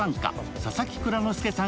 佐々木蔵之介さん